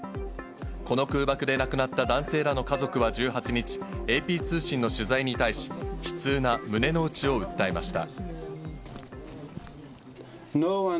この空爆で亡くなった男性らの家族は１８日、ＡＰ通信の取材に対し、悲痛な胸の内を訴えました。